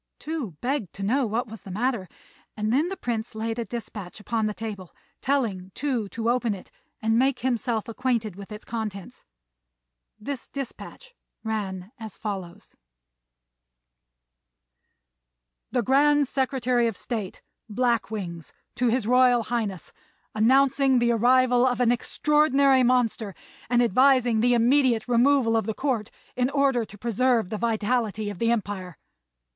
Tou begged to know what was the matter; and then the Prince laid a despatch upon the table, telling Tou to open it and make himself acquainted with its contents. This despatch ran as follows: "The Grand Secretary of State, Black Wings, to His Royal Highness, announcing the arrival of an extraordinary monster, and advising the immediate removal of the Court in order to preserve the vitality of the empire.